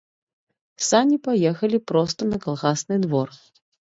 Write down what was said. Сані паехалі проста на калгасны двор.